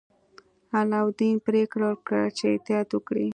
علاوالدین پریکړه وکړه چې احتیاط وکړي.